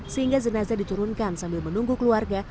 sehingga jenazah diturunkan sambil menunggu keluarga